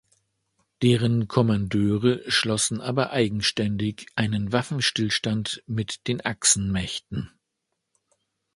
Deren Kommandeure schlossen aber eigenständig einen Waffenstillstand mit den Achsenmächten.